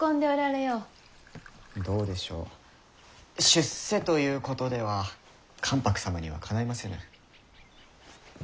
どうでしょう出世ということでは関白様にはかないませぬ。